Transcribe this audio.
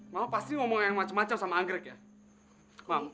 mama pasti mau yang macam macam sama anggrek ya